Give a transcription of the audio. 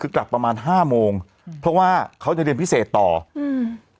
คือกลับประมาณห้าโมงอืมเพราะว่าเขาจะเรียนพิเศษต่ออืม